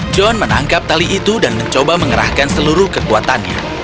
john menangkap tali itu dan mencoba mengerahkan seluruh kekuatannya